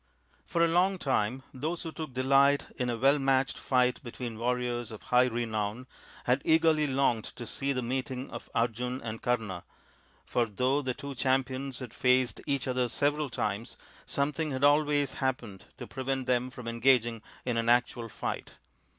For a long time those who took delight in a well matched fight between warriors of high renown had eagerly longed to see the meeting of Arjun and Kama, for though the two champions had faced each other several times something had always happened to prevent them from engaging in an actual fight.